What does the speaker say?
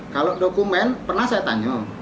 kalau dokumen pernah saya tanya